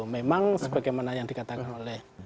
memang sebagaimana yang dikatakan oleh bung tova tadi